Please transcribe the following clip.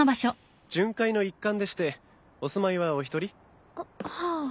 巡回の一環でしてお住まいはお一人？はあ。